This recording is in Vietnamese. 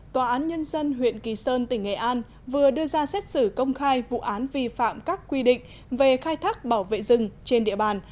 tòa án nhân dân huyện kỳ sơn tỉnh nghệ an vừa đưa ra xét xử công khai vụ án vi phạm các quy định về khai thác bảo vệ rừng trên địa bàn